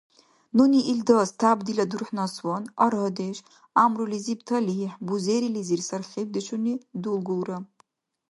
Нуни илдас, тяп дила дурхӀнасван, арадеш, гӀямрулизиб талихӀ, бузерилизир сархибдешуни дулгулра.